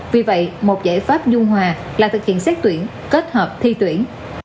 vì vậy một giải pháp nhung hòa là thực hiện xét tuyển kết hợp thi tuyển